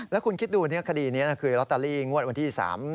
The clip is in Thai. แล้วคุณคิดดูคดีนี้คือลอตเตอรี่งวดวันที่๓๐